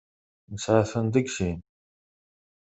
Nesɛa-ten deg sin.